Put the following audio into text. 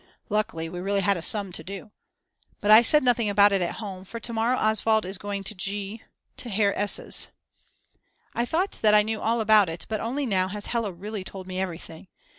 Luckily we really had a sum to do. But I said nothing about it at home, for to morrow Oswald is going to G. to Herr S's. I thought that I knew all about it but only now has Hella really told me everything.